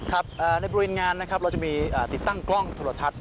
ครับในบริเวณงานนะครับเราจะมีติดตั้งกล้องโทรทัศน